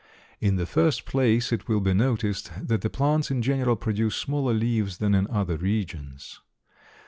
In the first place, it will be noticed that the plants in general produce smaller leaves than in other regions.